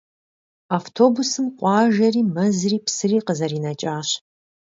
Автобусым къуажэри, мэзри, псыри къызэринэкӏащ.